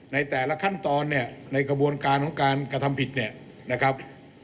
ในแต่ละขั้นตอนเนี่ยในกระบวนการของการกระทำผิดเนี่ยนะครับ